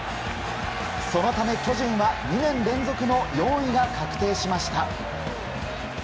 そのため巨人は２年連続の４位が確定しました。